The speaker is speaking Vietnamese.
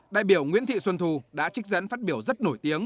đại biểu nguyễn thị xuân thu đã trích dẫn phát biểu rất nổi tiếng